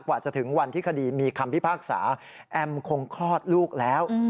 กว่าจะถึงวันที่คดีมีคำพิพากษาแอมคงคลอดลูกแล้ว